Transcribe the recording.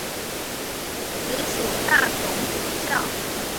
直属大总主教。